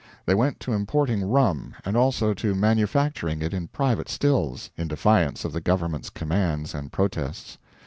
They went to importing rum, and also to manufacturing it in private stills, in defiance of the government's commands and protests.